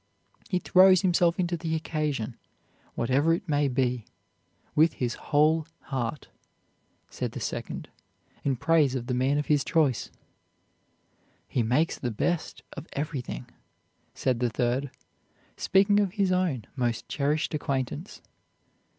"He throws himself into the occasion, whatever it may be, with his whole heart," said the second, in praise of the man of his choice. "He makes the best of everything," said the third, speaking of his own most cherished acquaintance.